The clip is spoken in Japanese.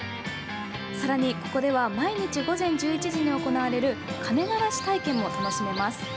さらに、ここでは毎日午前１１時に行われる鐘鳴らし体験も楽しめます。